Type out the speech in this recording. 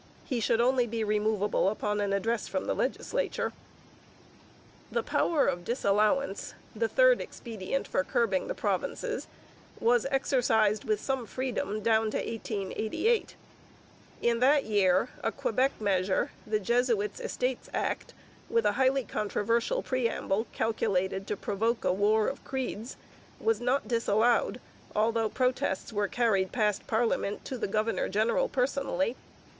He should only be removable upon an address from the legislature. The power of disallowance, the third expedient for curbing the provinces, was exercised with some freedom down to 1888. In that year a Quebec measure, the Jesuits' Estates Act, with a highly controversial preamble calculated to provoke a war of creeds, was not disallowed, although protests were carried past parliament to the governor general personally.